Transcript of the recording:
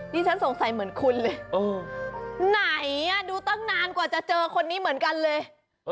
ฉันสงสัยเหมือนคุณเลยไหนดูตั้งนานกว่าจะเจอคนนี้เหมือนกันเลย